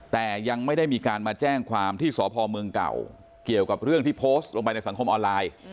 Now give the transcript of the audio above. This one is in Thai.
แต่ยังไม่ได้มีการมาแจ้งความที่สพเมืองเก่าเกี่ยวกับเรื่องที่โพสต์ลงไปในสังคมออนไลน์